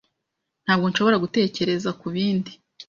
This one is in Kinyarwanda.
Ntabwo nshobora gutekereza kubindi.